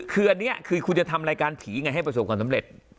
คืออันนี้คือคุณจะทำรายการผีไงให้ประสบความสำเร็จ